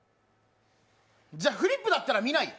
じゃあ、フリップだったら見ないよ。